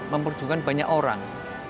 memperjuangkan banyak orang